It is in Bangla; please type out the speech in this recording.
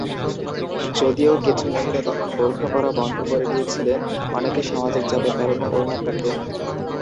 যদিও কিছু মহিলা তখন বোরখা পরা বন্ধ করে দিয়েছিলেন, অনেকে সামাজিক চাপের কারণে ওড়না পরতেন।